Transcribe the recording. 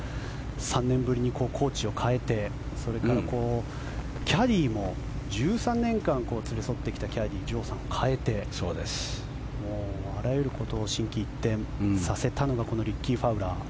３年ぶりにコーチを代えてそれからキャディーも１３年間連れ添ってきたキャディーさんを代えてあらゆることを心機一転させたのがこのリッキー・ファウラー。